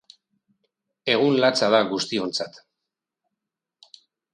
Egun latza da guztiontzat.